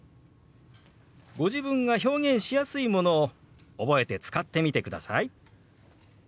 ご自分が表現しやすいものを覚えて使ってみてください。